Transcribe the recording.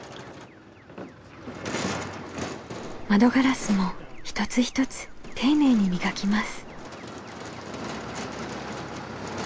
窓ガラスも一つ一つ丁寧に磨きます。